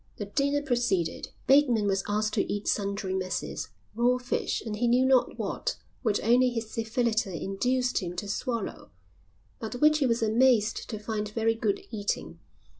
The dinner proceeded. Bateman was asked to eat sundry messes, raw fish and he knew not what, which only his civility induced him to swallow, but which he was amazed to find very good eating.